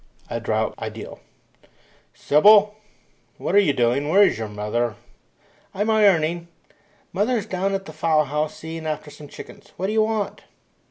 A DROUGHT IDYLL "Sybylla, what are you doing? Where is your mother?" "I'm ironing. Mother's down at the fowl house seeing after some chickens. What do you want?"